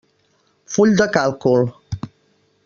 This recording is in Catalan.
Full de càlcul.